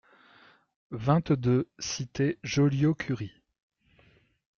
vingt-deux cité Joliot-Curie